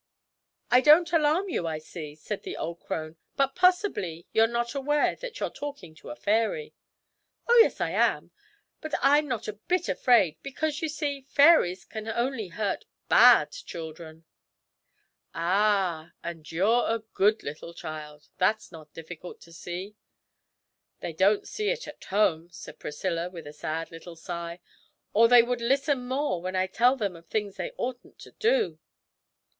'I don't alarm you, I see,' said the old crone; 'but possibly you're not aware that you're talking to a fairy?' 'Oh, yes, I am but I'm not a bit afraid, because, you see, fairies can only hurt bad children.' 'Ah, and you're a good little child that's not difficult to see!' 'They don't see it at home!' said Priscilla, with a sad little sigh, 'or they would listen more when I tell them of things they oughtn't to do.'